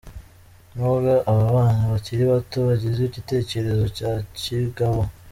Nubwo aba bana bakiri bato, bagize igitekerezo cya kigabo.